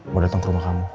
mau dateng ke rumah kamu